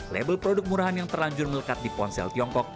label produk murahan yang terlanjur melekat di ponsel tiongkok